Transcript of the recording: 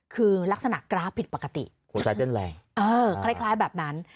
คือลักษณะกราฟผิดปกติหัวใจเต้นแรงเออคล้ายแบบนั้น